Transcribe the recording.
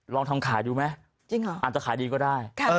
ลองทำขายดูไหมอาจจะขายดีก็ได้